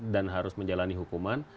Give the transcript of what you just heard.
dan harus menjalani hukuman